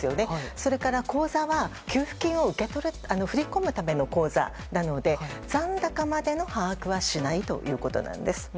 それから口座は給付金を振り込むための口座なので残高までの把握はしないということです。